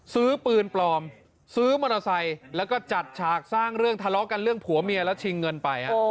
ซื้อปืนปลอมซื้อมอเตอร์ไซค์แล้วก็จัดฉากสร้างเรื่องทะเลาะกันเรื่องผัวเมียแล้วชิงเงินไป